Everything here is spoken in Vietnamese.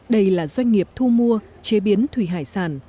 đây là doanh nghiệp thu mua chế biến thủy hải sản